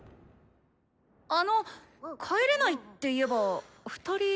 あのっ帰れないっていえば２人。